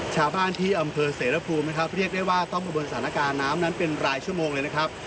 ชาวบ้านที่อำเภอเสรภูมินะครับเรียกได้ว่าต้องประเมินสถานการณ์น้ำนั้นเป็นรายชั่วโมงเลยนะครับ